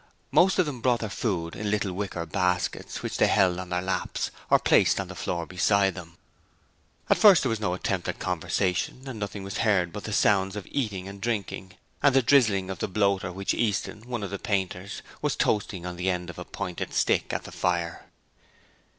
Most of them brought their food in little wicker baskets which they held on their laps or placed on the floor beside them. At first there was no attempt at conversation and nothing was heard but the sounds of eating and drinking and the drizzling of the bloater which Easton, one of the painters, was toasting on the end of a pointed stick at the fire.